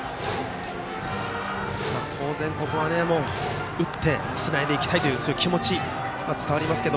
当然、ここは打ってつないでいきたいという気持ちが伝わりますが。